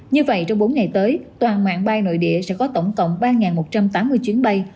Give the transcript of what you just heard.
như vậy trong bốn ngày tới toàn mạng bay nội địa sẽ có tổng cộng ba một trăm tám mươi chuyến bay